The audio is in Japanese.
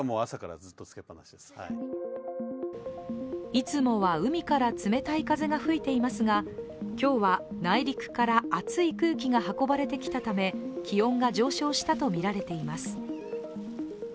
いつもは海から冷たい風が吹いていますが、今日は内陸から熱い空気が運ばれてきたため気温が上昇したとみられています。